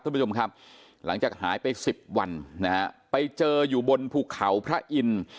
ท่านผู้ชมครับหลังจากหายไปสิบวันนะฮะไปเจออยู่บนภูเขาพระอินทร์